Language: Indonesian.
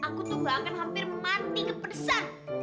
aku tuh bangen hampir manti kepedesan